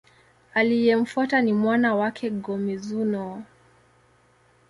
Aliyemfuata ni mwana wake, Go-Mizunoo.